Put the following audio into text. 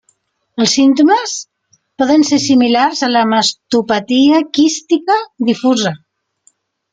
Els símptomes poden ser similars a la mastopatia quística difusa.